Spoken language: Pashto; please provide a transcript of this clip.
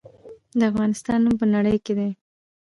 د افغانستان نوم په نړۍ کې دی